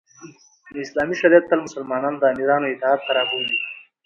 نو اسلامی شریعت تل مسلمانان د امیرانو اطاعت ته رابولی